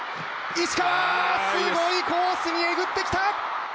石川、すごいコースにえぐってくる！